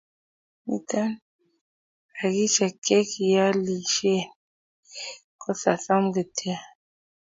miten bakishek che kiloishek ko sasam kityok